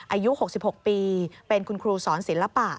อายุ๖๖ปีเป็นคุณครูสอนศิลปะ